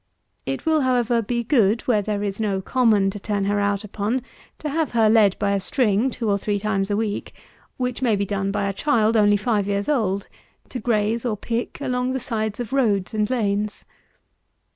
It will, however, be good, where there is no common to turn her out upon, to have her led by a string, two or three times a week, which may be done by a child only five years old, to graze, or pick, along the sides of roads and lanes.